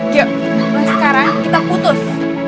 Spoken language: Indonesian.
gio sekarang kita putus